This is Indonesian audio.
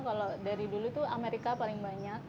kalau dari dulu tuh amerika paling banyak